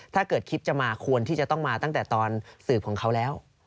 ถ้าเกิดคิดจะมาควรที่จะต้องมาตั้งแต่ตอนสืบของเขาแล้ว